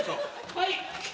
はい。